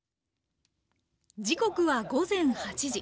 時刻は午前８時。